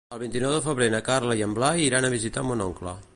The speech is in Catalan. El vint-i-nou de febrer na Carla i en Blai iran a visitar mon oncle.